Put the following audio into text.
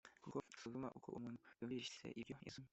kuko usuzuma uko umuntu yumvise ibyo yasomye